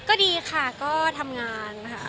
ก็ดีค่ะก็ทำงานค่ะ